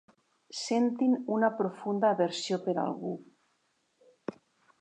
Sentin una profunda aversió per algú.